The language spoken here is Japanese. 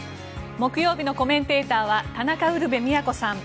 木曜日のコメンテーターは田中ウルヴェ京さん。